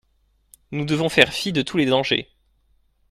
Nous devons faire fi de tous les dangers.